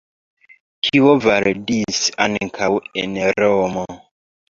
Tio validis ankaŭ en Romo.